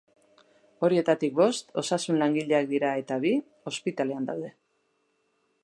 Horietatik bost osasun langileak dira, eta bi, ospitalean daude.